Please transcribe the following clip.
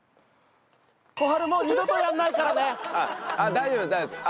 大丈夫大丈夫です。